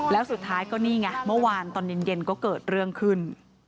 แล้วสุดท้ายก็นี่ไงเมื่อวานตอนเย็นก็เกิดเรื่องขึ้น